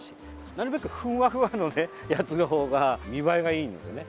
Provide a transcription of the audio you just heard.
なるべくふわふわのやつの方が見栄えがいいんですね。